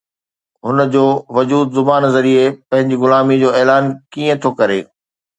هن جو وجود زبان ذريعي پنهنجي غلاميءَ جو اعلان ڪيئن ٿو ڪري؟